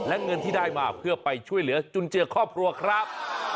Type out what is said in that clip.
และเงินที่ได้มาเพื่อไปช่วยเหลือจุนเจือครอบครัวครับ